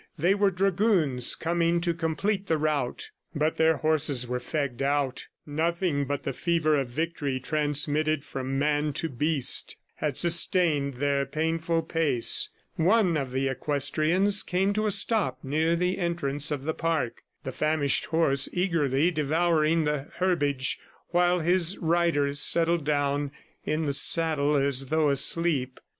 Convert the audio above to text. They were dragoons coming to complete the rout. But their horses were fagged out; nothing but the fever of victory transmitted from man to beast had sustained their painful pace. One of the equestrians came to a stop near the entrance of the park, the famished horse eagerly devouring the herbage while his rider settled down in the saddle as though asleep.